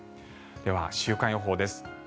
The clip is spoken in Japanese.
では、週間予報です。